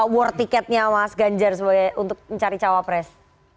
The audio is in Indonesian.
word ticketnya mas ganjar sebagai untuk mencari cawa pres